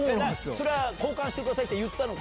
それは交換してくださいって言ったのか？